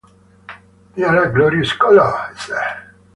“They’re a glorious colour!” he said.